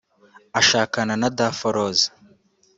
Ashakana na Daphrose